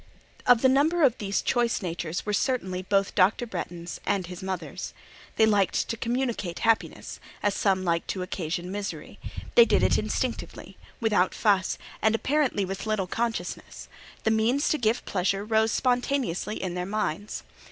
Of the number of these choice natures were certainly both Dr. Bretton's and his mother's. They liked to communicate happiness, as some like to occasion misery: they did it instinctively; without fuss, and apparently with little consciousness; the means to give pleasure rose spontaneously in their minds.